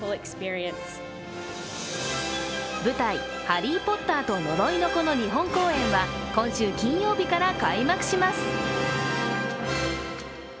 「ハリー・ポッターと呪いの子」の日本公演は今週金曜日から開幕します。